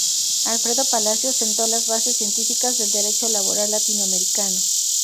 Alfredo Palacios, sentó las bases científicas del derecho laboral latinoamericano.